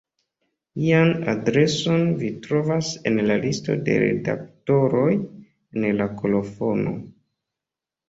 Lian adreson vi trovas en la listo de redaktoroj en la kolofono.